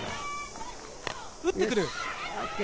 打ってくる！